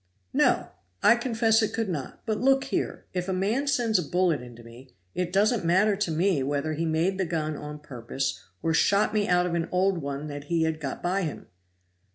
"No! I confess it could not; but look here, if a man sends a bullet into me, it doesn't matter to me whether he made the gun on purpose or shot me out of an old one that he had got by him."